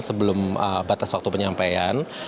sebelum batas waktu penyampaian